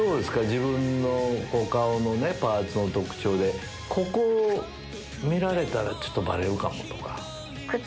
自分のお顔のパーツの特徴でここを見られたらちょっとバレるかもとか。